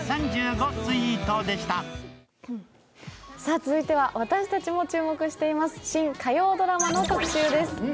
続いては私たちも注目しています、新火曜ドラマの特集です。